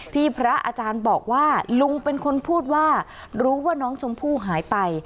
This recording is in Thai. พระอาจารย์บอกว่าลุงเป็นคนพูดว่ารู้ว่าน้องชมพู่หายไป